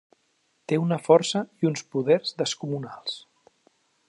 Té una força i uns poders descomunals.